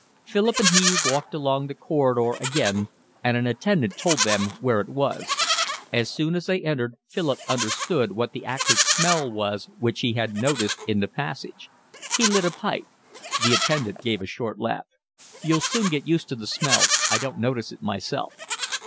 Philip and he walked along the corridor again, and an attendant told them where it was. As soon as they entered Philip understood what the acrid smell was which he had noticed in the passage. He lit a pipe. The attendant gave a short laugh. "You'll soon get used to the smell. I don't notice it myself."